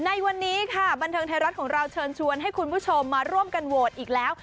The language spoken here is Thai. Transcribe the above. ในวันนี้ค่ะบันเทิงไทยรัฐของเราเชิญชวนให้คุณผู้ชมมาร่วมกันโหวตอีกแล้ว